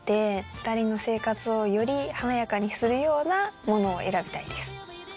２人の生活をより華やかにするようなものを選びたいです。